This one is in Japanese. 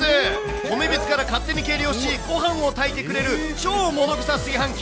米びつから勝手に計量し、ごはんを炊いてくれる、超ものぐさ炊飯器。